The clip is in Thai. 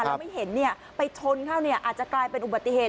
เราไม่เห็นเนี่ยไปทนเข้าเนี่ยอาจจะกลายเป็นอุบัติเหตุ